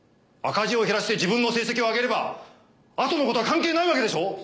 赤字を減らして自分の成績を上げればあとのことは関係ないわけでしょ！